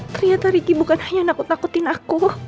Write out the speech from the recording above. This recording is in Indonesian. ternyata riki bukan hanya nakut takutin aku